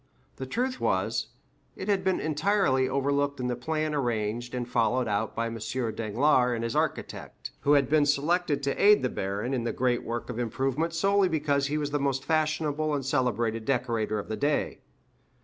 The truth was, it had been entirely overlooked in the plan arranged and followed out by M. Danglars and his architect, who had been selected to aid the baron in the great work of improvement solely because he was the most fashionable and celebrated decorator of the day.